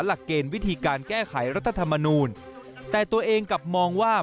หลักเกณฑ์วิธีการแก้ไขรัฐธรรมนูลแต่ตัวเองกลับมองว่า